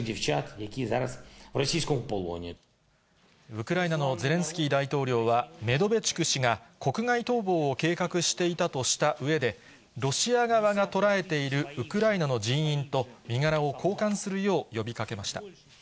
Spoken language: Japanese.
ウクライナのゼレンスキー大統領は、メドベチュク氏が国外逃亡を計画していたとしたうえで、ロシア側が捕らえているウクライナの人員と身柄を交換するよう呼びかけました。